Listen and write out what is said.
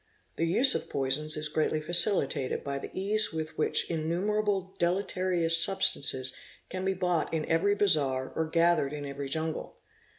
The use of poisons is greatly facilitated by the ease with which innumerable deleterious substances can be bought in every bazaar or gathered in every jungle.